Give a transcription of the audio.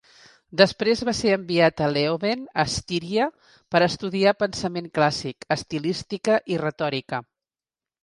Després va ser enviat a Leoben a Styria per estudiar pensament clàssic, estilística i retòrica.